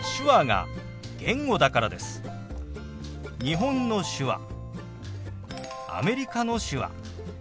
日本の手話アメリカの手話